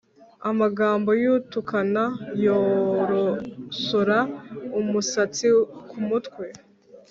Amagambo y’utukana yorosora umusatsi ku mutwe,